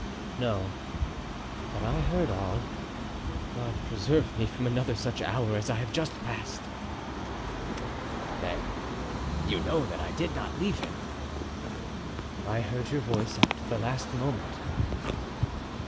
"No, but I heard all. God preserve me from another such hour as I have just passed." "Then you know that I did not leave him?" "I heard your voice up to the last moment."